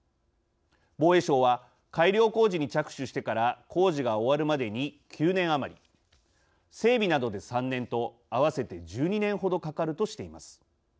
防衛省は改良工事に着手してから工事が終わるまでに９年余り整備などで３年と合わせて１２年ほどかかるとしています。